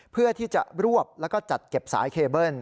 เพื่อที่จะรวบแล้วก็จัดเก็บสายเคเบิ้ล